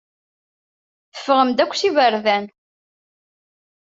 Teffɣem-d akk s iberdan.